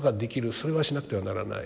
それはしなくてはならない。